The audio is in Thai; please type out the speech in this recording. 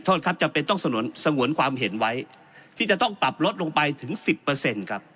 ครับจำเป็นต้องสงวนความเห็นไว้ที่จะต้องปรับลดลงไปถึงสิบเปอร์เซ็นต์ครับ